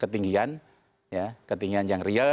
ketinggian yang real dengan ketinggian yang unreal